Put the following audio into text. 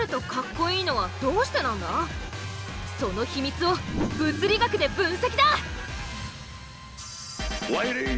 その秘密を物理学で分析だ！